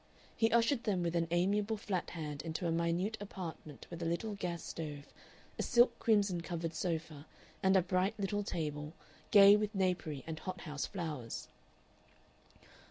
He ushered them with an amiable flat hand into a minute apartment with a little gas stove, a silk crimson covered sofa, and a bright little table, gay with napery and hot house flowers.